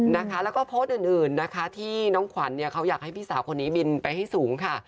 แล้วก็โพสต์อื่นนะคะที่น้องขวัญเนี่ยเขาอยากให้พี่สาวคนนี้บินไปให้สูงค่ะ